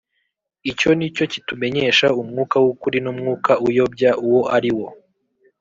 Icyo ni cyo kitumenyesha umwuka w’ukuri n’umwuka uyobya uwo ari wo.